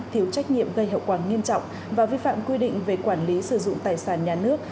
thiếu trách nhiệm gây hậu quả nghiêm trọng và vi phạm quy định về quản lý sử dụng tài sản nhà nước